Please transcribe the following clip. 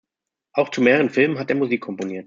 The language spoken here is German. Auch zu mehreren Filmen hat er Musik komponiert.